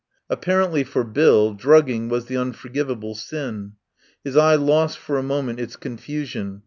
Apparently for Bill drugging was the unforgivable sin. His eye lost for a moment its confusion.